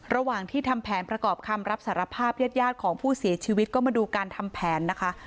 ระหว่างที่ทำแผนประกอบคำรับสารภาพญาติของผู้เสียชีวิตก็มาดูการทำแผนนะคะ